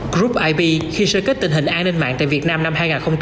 group ip khi sơ kết tình hình an ninh mạng tại việt nam năm hai nghìn hai mươi ba